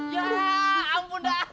ya ampun dah